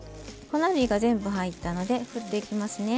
粉類が全部入ったので振っていきますね。